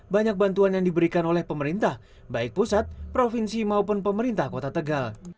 banyak bantuan yang diberikan oleh pemerintah baik pusat provinsi maupun pemerintah kota tegal